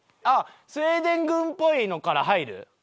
あっスウェーデン軍っぽいのから入る？